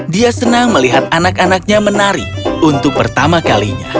dia senang melihat anak anaknya menari untuk pertama kalinya